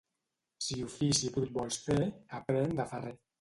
Si ofici brut vols fer, aprèn de ferrer.